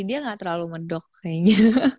dia nggak terlalu medok sehingga